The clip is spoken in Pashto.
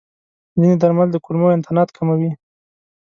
ځینې درمل د کولمو انتانات کموي.